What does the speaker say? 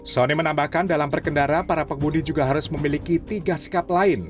sony menambahkan dalam berkendara para pengemudi juga harus memiliki tiga sikap lain